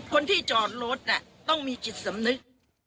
คนที่จอดรถต้องมีจิตสำนึก